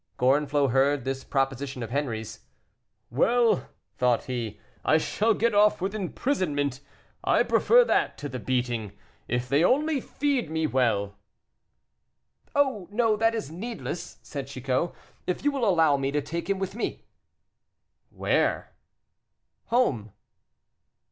Gorenflot heard this proposition of Henri's. "Well!" thought he, "I shall get off with imprisonment; I prefer that to beating, if they only feed me well." "Oh! no, that is needless," said Chicot, "if you will allow me to take him with me." "Where?" "Home."